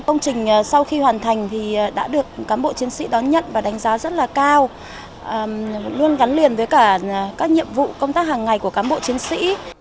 công trình sau khi hoàn thành thì đã được cán bộ chiến sĩ đón nhận và đánh giá rất là cao luôn gắn liền với cả các nhiệm vụ công tác hàng ngày của cán bộ chiến sĩ